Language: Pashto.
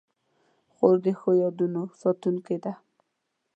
خور د ښو یادونو ساتونکې ده.